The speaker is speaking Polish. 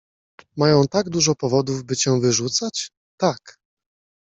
— Mają tak dużo powodów, by cię wyrzucać? — Tak.